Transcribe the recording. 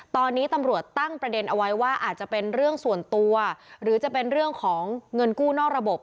ตอนนี้ตำรวจตั้งประเด็นเอาไว้ว่าอาจจะเป็นเรื่องส่วนตัวหรือจะเป็นเรื่องของเงินกู้นอกระบบ